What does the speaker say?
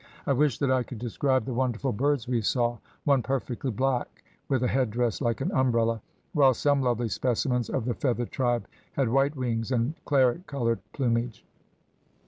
I wish that I could describe the wonderful birds we saw, one perfectly black, with a headdress like an umbrella, while some lovely specimens of the feathered tribe had white wings and claret coloured plumage.